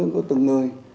của từng người